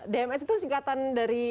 dms itu singkatan dari